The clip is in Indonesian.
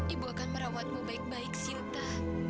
ibu akan merawatmu baik baik silta